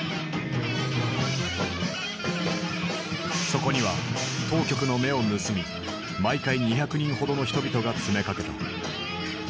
そこには当局の目を盗み毎回２００人ほどの人々が詰めかけた。